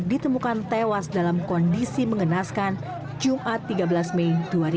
ditemukan tewas dalam kondisi mengenaskan jumat tiga belas mei dua ribu dua puluh